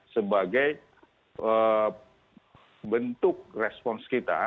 sebagai bentuk respons kita